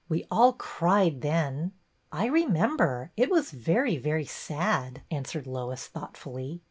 We all cried then." " I remember. It was very, very sad," an swered Lois, thoughtfully.